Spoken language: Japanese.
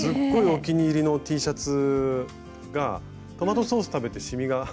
お気に入りのＴシャツがトマトソース食べてしみが。